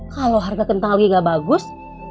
kalau harga kentang lagi gak bagus